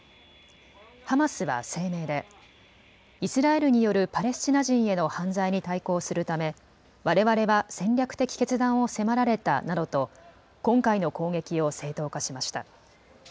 ハマスは声明でイスラエルによるパレスチナ人への犯罪に対抗するためわれわれは戦略的決断を迫られたなどと今回の攻撃を正当化しました。